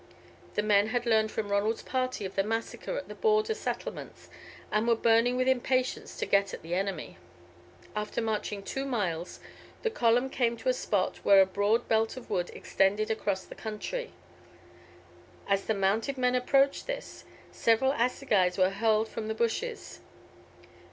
The men had learned from Ronald's party of the massacre at the border settlements, and were burning with impatience to get at the enemy. After marching two miles, the column came to a spot where a broad belt of wood extended across the country. As the mounted men approached this, several assegais were hurled from the bushes.